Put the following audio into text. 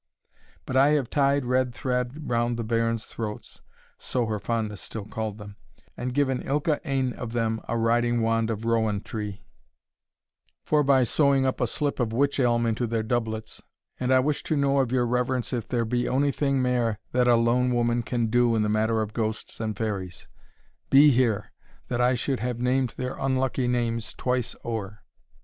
But I have tied red thread round the bairns's throats," (so her fondness still called them,) "and given ilka ane of them a riding wand of rowan tree, forby sewing up a slip of witch elm into their doublets; and I wish to know of your reverence if there be ony thing mair that a lone woman can do in the matter of ghosts and fairies? Be here! that I should have named their unlucky names twice ower!"